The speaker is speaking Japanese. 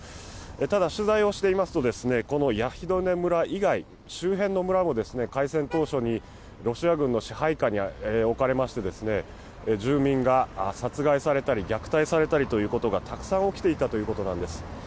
ただ、取材をしてみますとこのヤヒドネ村以外、周辺の村も開戦当初にロシア軍の支配下に置かれまして住民が殺害されたり虐待されたりということがたくさん起きていたということなんです。